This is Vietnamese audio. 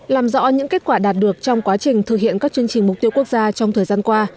làm rõ những kết quả đạt được trong quá trình thực hiện các chương trình mục tiêu quốc gia trong thời gian qua